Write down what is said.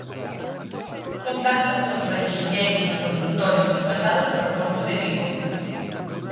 Son datos dos enxeñeiros consultores contratados polo Porto de Vigo.